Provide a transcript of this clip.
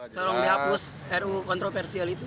tolong dihapus ru kontroversial itu